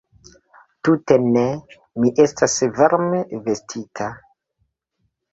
Tute ne, mi estas varme vestita.